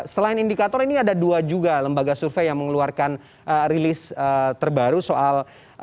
selain indikator ini ada dua juga lembaga survei yang mengeluarkan rilis terbaru soal